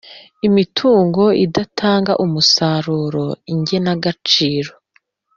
Imitungo idatanga umusaruro igenagaciro